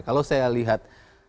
kalau saya lihat